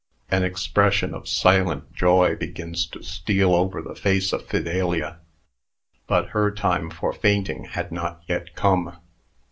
An expression of silent joy begins to steal over the face of Fidelia. But her time for fainting had not yet come!